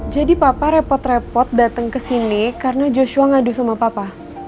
jadi papa repot repot datang ke sini karena joshua ngadu sama papa